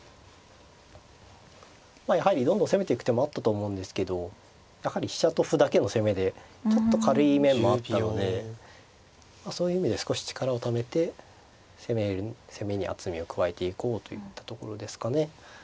まあやはりどんどん攻めていく手もあったと思うんですけどやはり飛車と歩だけの攻めでちょっと軽い面もあったのでそういう意味で少し力をためて攻めに厚みを加えていこうといったところですかね。